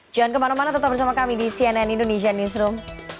jangan kemana mana tetap bersama kami di cnn indonesia newsroom